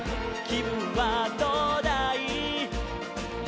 「きぶんはどうだい？」